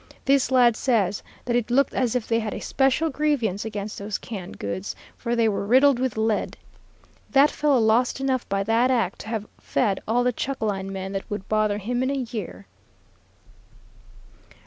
This lad says that it looked as if they had a special grievance against those canned goods, for they were riddled with lead. That fellow lost enough by that act to have fed all the chuck line men that would bother him in a year.